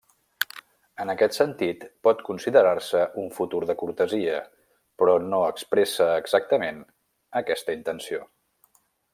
En aquest sentit pot considerar-se un futur de cortesia però no expressa exactament aquesta intenció.